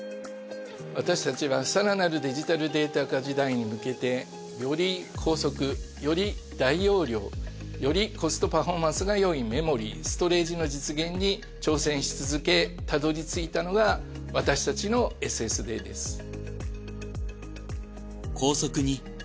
私たちは更なるデジタルデータ化時代に向けてより高速より大容量よりコストパフォーマンスがよいメモリーストレージの実現に挑戦し続けたどりついたのが私たちのＳＳＤです。